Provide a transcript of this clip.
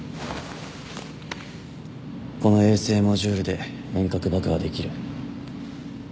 この衛星モジュールで遠隔爆破できる